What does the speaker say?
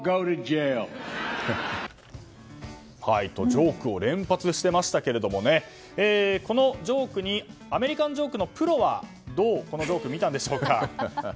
ジョークを連発していましたがこのジョークにアメリカンジョークのプロはどう見たんでしょうか。